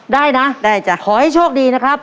ได้นะขอให้โชคดีนะครับ